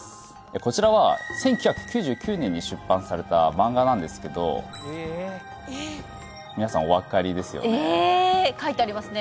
こちらは１９９９年に出版されたマンガなんですけど皆さんお分かりですよねえ書いてありますね